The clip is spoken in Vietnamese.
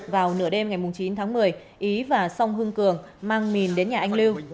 vào nửa đêm ngày chín tháng một mươi ý và song hưng cường mang mìn đến nhà anh lưu